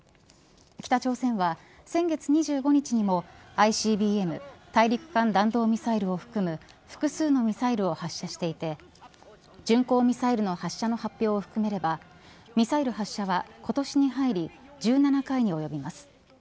北朝鮮は、先月２５日にもＩＣＢＭ大陸間弾道ミサイルを含む複数のミサイルを発射していて巡航ミサイルの発射の発表を含めればミサイル発射は今年に入り１７回に及びます。